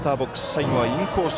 最後はインコース。